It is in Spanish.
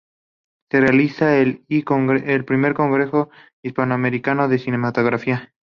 Se realiza el I Congreso Hispanoamericano de Cinematografía.